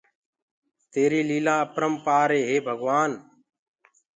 تيري ليلآن آپرمپآر ري هي ڀگوآن تو